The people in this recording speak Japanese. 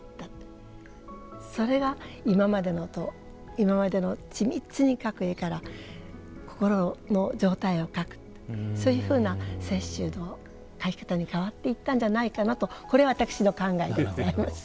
それが今までのと今までの緻密に描く絵から心の状態を描くとそういうふうな雪舟の描き方に変わっていったんじゃないかなとこれ私の考えでございます。